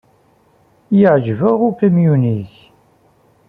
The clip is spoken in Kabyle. Yeɛjeb-aɣ ukamyun-nnek.